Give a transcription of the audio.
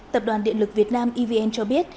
tập đoàn điện lực việt nam evn cho biết